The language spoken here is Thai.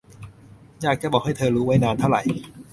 อยากจะบอกให้เธอรู้ไว้ นานเท่าไร